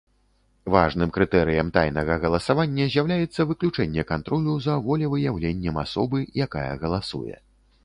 Важным крытэрыем тайнага галасавання з'яўляецца выключэнне кантролю за волевыяўленнем асобы, якая галасуе.